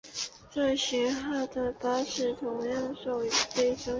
这型号的巴士同样售予非洲。